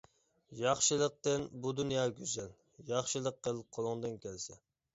ياخشىلىقتىن بۇ دۇنيا گۈزەل ياخشىلىق قىل قولۇڭدىن كەلسە.